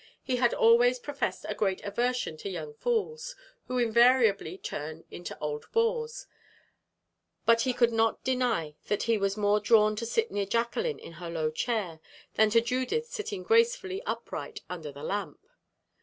He had always professed a great aversion to young fools, who invariably turn into old bores, but he could not deny that he was more drawn to sit near Jacqueline in her low chair, than to Judith sitting gracefully upright under the lamp.